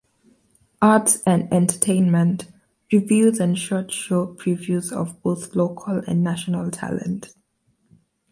Arts and Entertainment: Reviews and short show previews of both local and national talent.